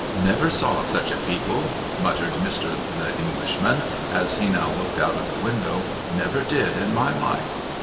' Never saw such a people !' muttered i\Ir. The Englishman, as he now looked out of window. ' Never did, in my life